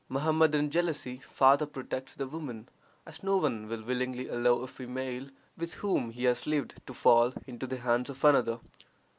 Mohammedan jealousy farther protects the woman, as no one will willingly allow a female with whom he has lived to fall into the hands of another.